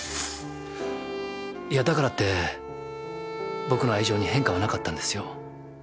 いやだからって僕の愛情に変化はなかったんですよ。